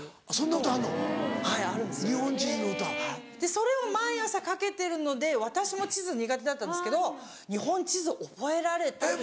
それを毎朝かけてるので私も地図苦手だったんですけど日本地図を覚えられたという。